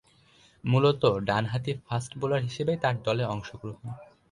মূলতঃ ডানহাতি fast bowler হিসেবেই তার দলে অংশগ্রহণ।